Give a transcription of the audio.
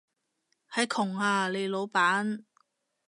係窮啊，你老闆